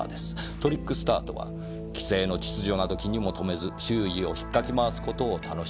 トリックスターとは既成の秩序など気にも留めず周囲を引っ掻き回す事を楽しむ者。